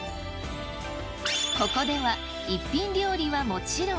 ここでは一品料理はもちろん。